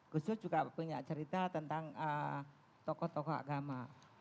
gus dur juga punya cerita tentang toko toko agama